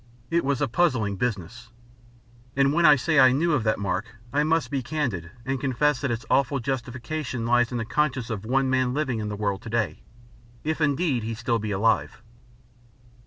It was a puzzling business. And when I say I knew of the mark, I must be candid and confess that its awful justification lies in the conscience of one man living in the world to day if indeed he be still alive.